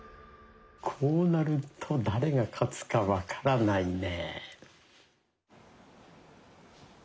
こうなると誰が勝つか分からないね。